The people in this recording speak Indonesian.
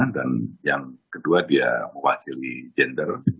dan yang kedua dia wakili gender